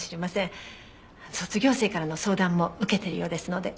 卒業生からの相談も受けているようですので。